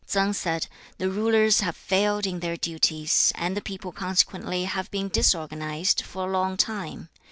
Tsang said, 'The rulers have failed in their duties, and the people consequently have been disorganised, for a long time.